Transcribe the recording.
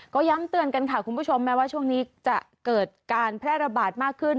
ก็ย้ำเตือนกันค่ะคุณผู้ชมแม้ว่าช่วงนี้จะเกิดการแพร่ระบาดมากขึ้น